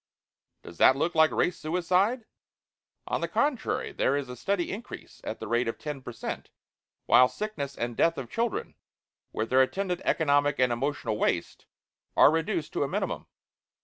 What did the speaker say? Does that look like race suicide? On the contrary, there is a steady increase at the rate of ten per cent, while sickness and death of children, with their attendant economic and emotional waste, are reduced to a minimum."